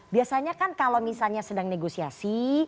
biasanya kan kalau misalnya sedang negosiasi